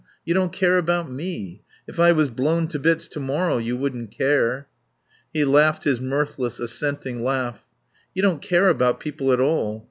You don't care about me. If I was blown to bits to morrow you wouldn't care." He laughed his mirthless, assenting laugh. "You don't care about people at all.